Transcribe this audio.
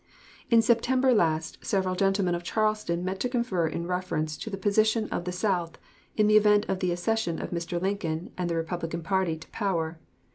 In September last, several gentlemen of Charleston met to confer in reference to the position of the South in the event of the accession of Mr. Lincoln and the Republican party to power.